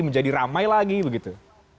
menjadi ramai lagi begitu